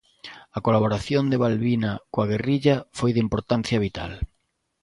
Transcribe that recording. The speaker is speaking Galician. A colaboración de Balbina coa guerrilla foi de importancia vital.